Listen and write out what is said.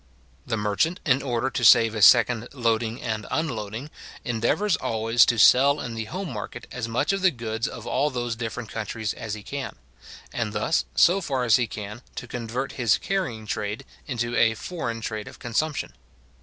The merchant, in order to save a second loading and unloading, endeavours always to sell in the home market, as much of the goods of all those different countries as he can; and thus, so far as he can, to convert his carrying trade into a foreign trade of consumption.